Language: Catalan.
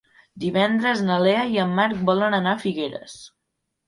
Divendres na Lea i en Marc volen anar a Figueres.